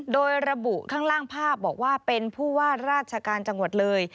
โดยระบุข้างล่างภาพบอกว่าเป็นผู้ว่าราชการจังหวัดเลย